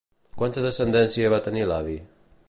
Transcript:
Quanta descendència va tenir l'avi?